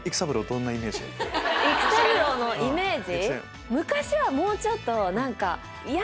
育三郎のイメージ？